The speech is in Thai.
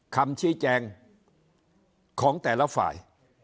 คำชี้แจงของแต่ละฝ่าย